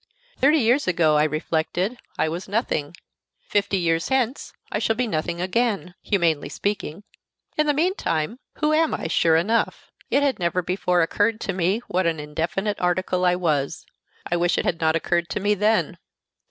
"Thirty years ago," I reflected, "I was nothing; fifty years hence I shall be nothing again, humanly speaking. In the mean time, who am I, sure enough?" It had never before occurred to me what an indefinite article I was. I wish it had not occurred to me then.